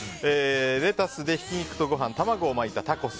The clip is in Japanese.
レタスでひき肉とご飯卵を巻いたタコス。